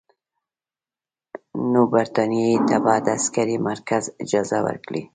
نو برټانیې ته به د عسکري مرکز اجازه ورکړي.